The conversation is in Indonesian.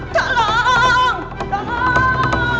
aku juga ngapain disini